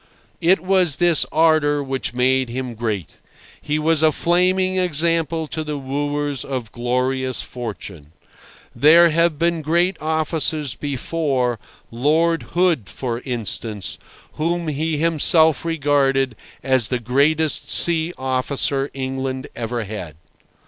It was this ardour which made him great. He was a flaming example to the wooers of glorious fortune. There have been great officers before—Lord Hood, for instance, whom he himself regarded as the greatest sea officer England ever had.